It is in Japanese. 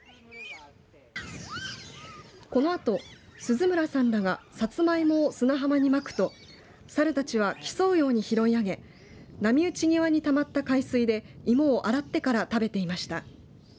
このあと鈴村さんらがさつまいもを砂浜にまくと猿たちは競うように拾い上げ波打ち際にたまった海水で芋を洗ってから食べていました。